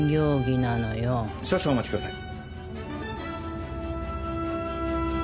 少々お待ちください。